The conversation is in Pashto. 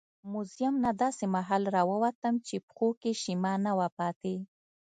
موزیم نه داسې مهال راووتم چې پښو کې شیمه نه وه پاتې.